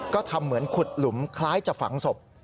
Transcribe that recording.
ก็ทำเหมือนขุดหลุมคล้ายจะฝังศพ